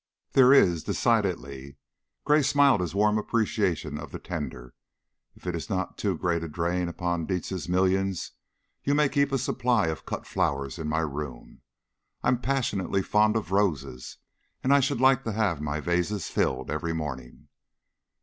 "There is, decidedly." Gray smiled his warm appreciation of the tender. "If it is not too great a drain upon the Dietz millions, you may keep a supply of cut flowers in my room. I'm passionately fond of roses, and I should like to have my vases filled every morning."